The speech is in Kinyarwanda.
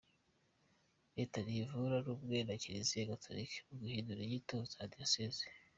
Leta ntivuga rumwe na Kiliziya Gatolika ku guhindura inyito za Diyosezi.